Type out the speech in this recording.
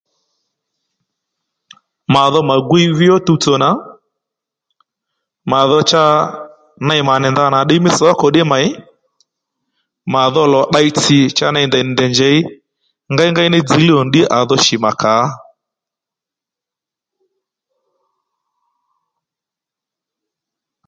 Mà dho mà gwiy vi ó tuwtsò nà mà dho cha ney mànì ndanà nì ddiy mí sǒkò ddí mèy mà dho lò tdey tsì cha ndèy nì ndèy njěy ngéy ngéy ní dziylíy ò nì ddí à dho shì mà kàò